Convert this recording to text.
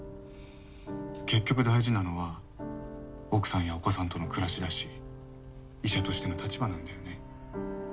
結局大事なのは奥さんやお子さんとの暮らしだし医者としての立場なんだよね。